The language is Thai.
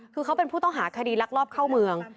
คือเขาเป็นผู้ต้องหาคดีลักลอบเข้าเมือง